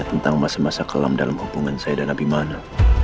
tentang masa masa kelam dalam hubungan saya dan abimana